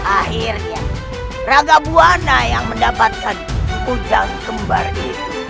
akhirnya rangka buwana yang mendapatkan kucang kembar itu